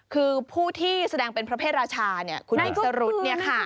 คือผู้ที่แสดงเป็นประเภทราชาคุณบิ๊กสะรุดนี่ค่ะ